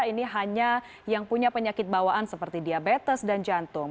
ini hanya yang punya penyakit bawaan seperti diabetes dan jantung